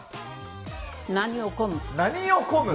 何をこむ。